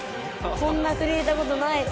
こんなふるえたことない。